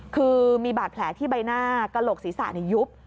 คือมีบาดแผลที่ใบหน้ากระโหลกศีรษะยุบ